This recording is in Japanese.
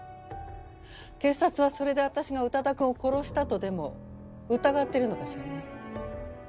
警察はそれで私が宇多田くんを殺したとでも疑ってるのかしらね？